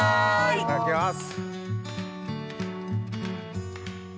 いただきます。